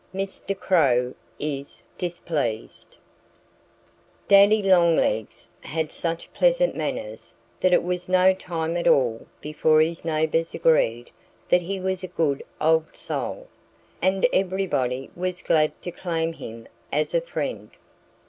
III MR. CROW IS DISPLEASED DADDY LONGLEGS had such pleasant manners that it was no time at all before his neighbors agreed that he was a good old soul. And everybody was glad to claim him as a friend.